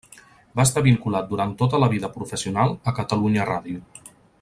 Va estar vinculat durant tota la vida professional a Catalunya Ràdio.